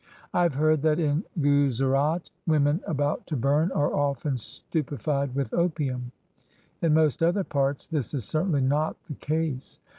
I have heard that in Guzerat women about to bum are often stupefied with opium. In most other parts this is certainly not the case.